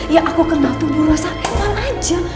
yang aku kenal tuh bu rosa emang aja